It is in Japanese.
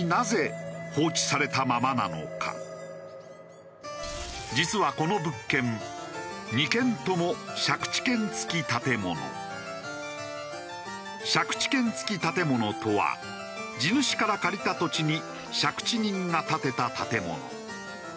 一体実はこの物件２軒とも借地権付き建物とは地主から借りた土地に借地人が建てた建物。